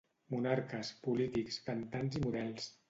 Monarques, polítics, cantants i models